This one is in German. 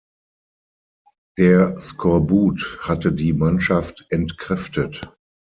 Der Skorbut hatte die Mannschaft entkräftet.